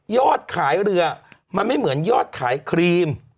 ยอดขายเรือมันไม่เหมือนยอดขายครีม